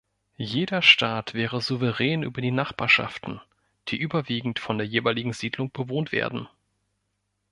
Jeder Staat wäre souverän über die Nachbarschaften, die überwiegend von der jeweiligen Siedlung bewohnt werden.